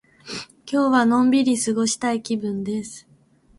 今日はのんびり過ごしたい気分です。